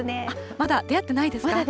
まだ出会ってないです。